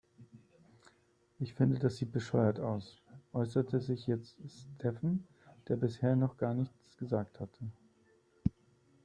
"Ich finde, das sieht bescheuert aus", äußerte sich jetzt Steven, der bisher noch gar nichts gesagt hatte.